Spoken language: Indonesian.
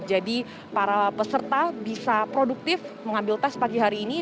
jadi para peserta bisa produktif mengambil tes pagi hari ini